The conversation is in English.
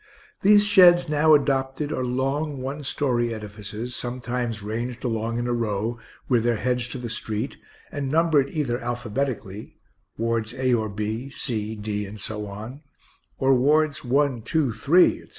These sheds now adopted are long, one story edifices, sometimes ranged along in a row, with their heads to the street, and numbered either alphabetically, Wards A or B, C, D, and so on; or Wards 1, 2, 3, etc.